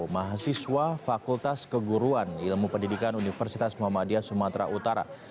mahasiswa fakultas keguruan ilmu pendidikan universitas muhammadiyah sumatera utara